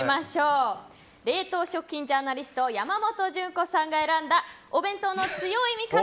冷凍食品ジャーナリスト山本純子さんが選んだお弁当の強い味方